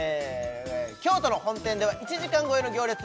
京都の本店では１時間超えの行列